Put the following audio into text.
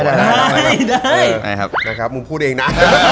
ได้ครับมึงพูดเองนะ